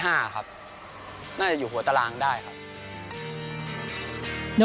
น่าจะอยู่หัวตารางได้ครับ